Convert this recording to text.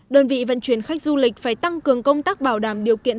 đơn vị vận chuyển khách du lịch phải tăng cường công tác bảo đảm điều kiện